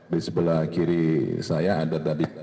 di sebelah kiri saya ada tadi